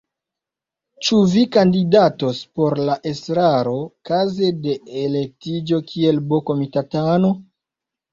Ĉu vi kandidatos por la estraro, kaze de elektiĝo kiel B-komitatano?